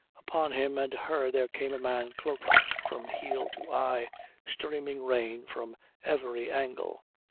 Upon him and her there came a man cloaked from heel to eye, streaming rain from every angle.